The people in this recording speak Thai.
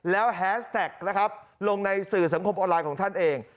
แล้วแฮสแท็กนะครับลงในสื่อสังคมออนไลน์ของท่านเอง